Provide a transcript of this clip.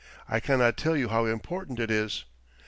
I cannot tell you how important it is."